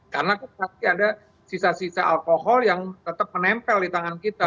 karena pasti ada sisa sisa alkohol yang tetap menempel di tangan kita